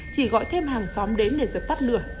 chỉ gọi thêm hàng xóm đến để giật phát lửa